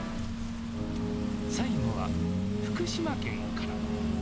最後は福島県から。